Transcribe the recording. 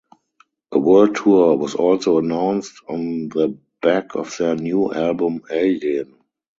A world tour was also announced on the back of their new album "Alien".